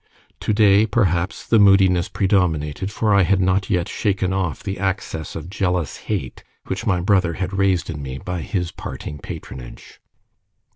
To day perhaps, the moodiness predominated, for I had not yet shaken off the access of jealous hate which my brother had raised in me by his parting patronage.